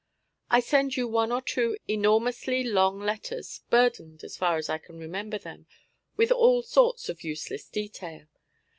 I send you one or two enormously long letters, burdened, as far as I can remember them, with all sorts of useless detail.